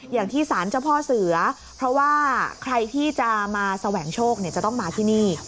อย่างที่สารเจ้าพ่อเสือเพราะว่าใครที่จะมาแสวงโชคจะต้องมาที่นี่